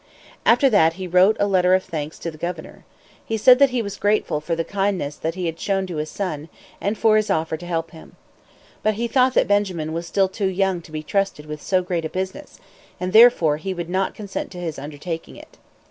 After that he wrote a letter of thanks to the governor. He said that he was grateful for the kindness he had shown to his son, and for his offer to help him. But he thought that Benjamin was still too young to be trusted with so great a business, and therefore he would not consent to his undertaking it.